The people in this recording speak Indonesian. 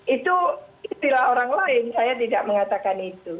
itu istilah orang lain saya tidak mengatakan itu